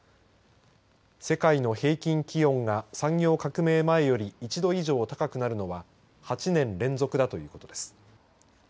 世界の平均気温が産業革命前より１度以上高くなるのは８年連続だということです。